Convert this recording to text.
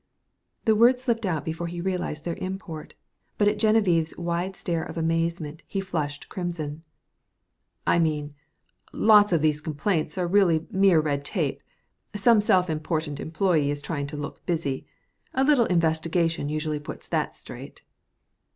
The words slipped out before he realized their import, but at Genevieve's wide stare of amazement he flushed crimson. "I mean lots of these complaints are really mere red tape; some self important employee is trying to look busy. A little investigation usually puts that straight."